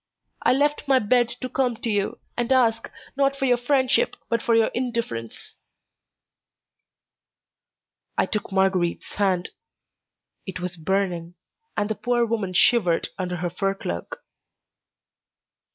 I left my bed to come to you, and ask, not for your friendship, but for your indifference." I took Marguerite's hand. It was burning, and the poor woman shivered under her fur cloak.